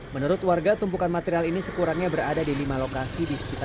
menurut warga tumpukan material ini sekurangnya berada di lima lokasi di sekitar